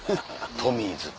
トミーズ・健。